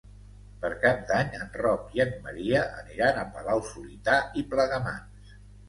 Per Cap d'Any en Roc i en Maria aniran a Palau-solità i Plegamans.